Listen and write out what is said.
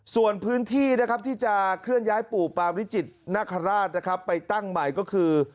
ส่วนพื้นที่ที่จะเคลื่อนย้ายปู่ปาลิจิตนาคาราชไปตั้งใหม่ก็คือ